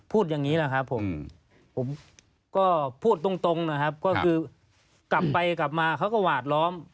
พูดอย่างนี้แหละครับผมผมก็พูดตรงนะครับก็คือกลับไปกลับมาเขาก็หวาดล้อม